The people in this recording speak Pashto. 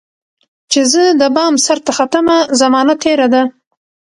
چي زه دبام سرته ختمه، زمانه تیره ده